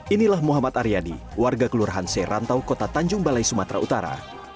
inilah muhammad aryadi warga kelurahan serantau kota tanjung balai sumatera utara